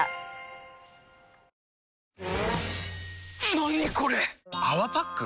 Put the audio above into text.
何これ⁉「泡パック」？